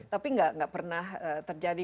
tapi tidak pernah terjadi